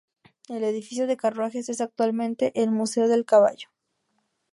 El edificio de carruajes es actualmente el "Museo del Caballo".